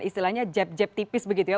istilahnya jeb jep tipis begitu ya